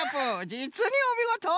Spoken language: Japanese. じつにおみごと！